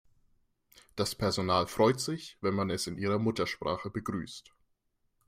Das Personal freut sich, wenn man es in ihrer Muttersprache begrüßt.